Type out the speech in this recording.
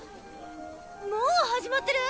もう始まってる！？